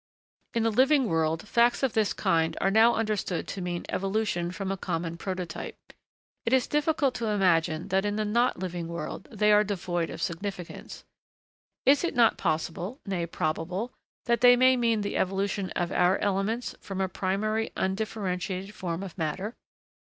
In the living world, facts of this kind are now understood to mean evolution from a common prototype. It is difficult to imagine that in the not living world they are devoid of significance. Is it not possible, nay probable that they may mean the evolution of our 'elements' from a primary undifferentiated form of matter?